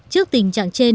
trước tình trạng